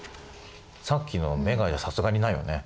さっきのメガではさすがにないよね。